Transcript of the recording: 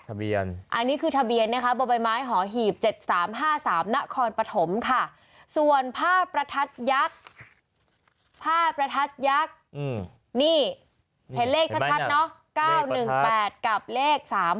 อันนี้คือทะเบียนนะคะบนใบไม้หอหีบ๗๓๕๓นครปฐมค่ะส่วนผ้าประทัดยักษ์ผ้าประทัดยักษ์นี่เห็นเลขชัดเนอะ๙๑๘กับเลข๓๒